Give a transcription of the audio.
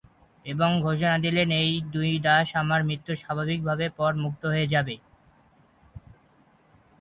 এবং ঘোষণা দিলেন এই দুই দাস আমার মৃত্যুর স্বাভাবিকভাবে পর মুক্ত হয়ে যাবে।